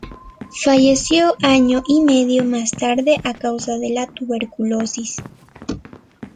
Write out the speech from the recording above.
Falleció año y medio más tarde a causa de la tuberculosis.